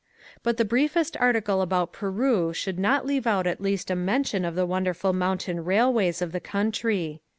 But the briefest article about Peru should not leave out at least a mention of the wonderful mountain railways of the country.